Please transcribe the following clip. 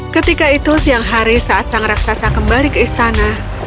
ketika itu siang hari saat sang raksasa kembali ke istana